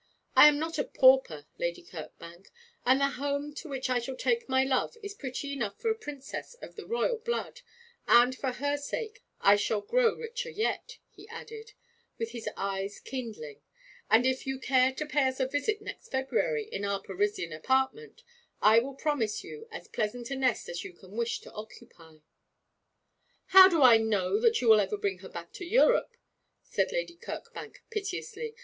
I am not a pauper, Lady Kirkbank, and the home to which I shall take my love is pretty enough for a princess of the blood royal, and for her sake I shall grow richer yet,' he added, with his eyes kindling; 'and if you care to pay us a visit next February in our Parisian apartment I will promise you as pleasant a nest as you can wish to occupy.' 'How do I know that you will ever bring her back to Europe?' said Lady Kirkbank, piteously.